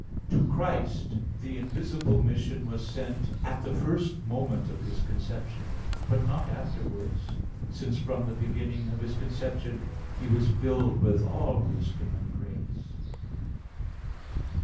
To Christ the invisible mission was sent at the first moment of His conception; but not afterwards, since from the beginning of His conception He was filled with all wisdom and grace.